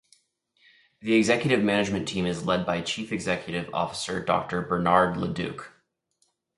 The executive management team is led by Chief Executive Officer Doctor Bernard Leduc.